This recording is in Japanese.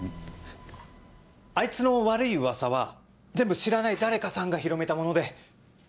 あいつの悪い噂は全部知らない誰かさんが広めたもので。